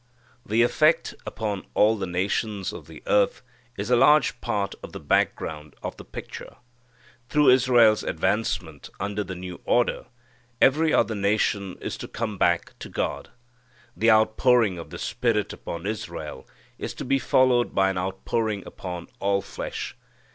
The effect upon all the nations of the earth is a large part of the background of the picture. Through Israel's advancement under the new order, every other nation is to come back to God. The outpouring of the Spirit upon Israel is to be followed by an outpouring upon all flesh.